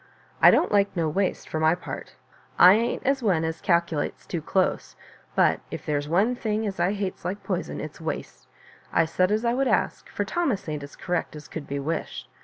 I don't like no waste, for my part. I ain't one as calk'lates too close, but if there's one thing as I hates like poison, it's waste. I said as I would ask, for Thomas ain't as correct as could be wished.